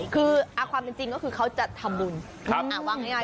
คือความเป็นจริงก็คือเขาจัดทำบุญ